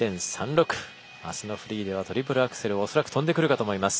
明日のフリーではトリプルアクセルを恐らく跳んでくるかと思います。